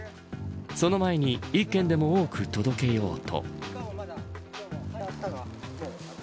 その前に１軒でも多く届けようと。